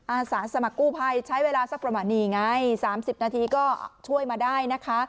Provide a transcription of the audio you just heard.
อาสาสมัครกู้ภัยใช้เวลาสักประมาณนี้ไง๓๐นาทีก็ช่วยมาได้นะคะ